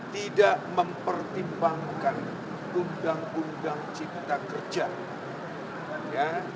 tidak mempertimbangkan undang undang cipta kerja ya